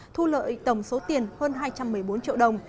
thu lợi tổng số tiền hơn hai trăm một mươi bốn triệu đồng